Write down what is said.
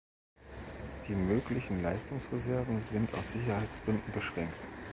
Die möglichen Leistungsreserven sind aus Sicherheitsgründen beschränkt.